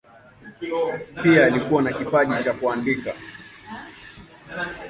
Pia alikuwa na kipaji cha kuandika.